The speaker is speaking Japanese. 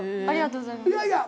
ありがとうございます。